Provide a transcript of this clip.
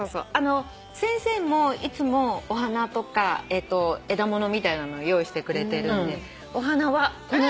先生もいつもお花とか枝物みたいなの用意してくれてるんで。お花はこのような。